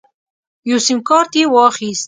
یو سیم کارت یې واخیست.